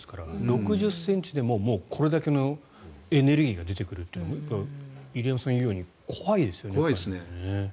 ６０ｃｍでももうこれだけのエネルギーが出てくるって入山さんが言うように怖いですよね。